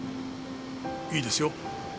いいですよ。